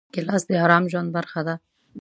ګیلاس د ارام ژوند برخه ده.